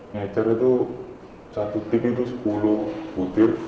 ngejar itu satu tim itu sepuluh putih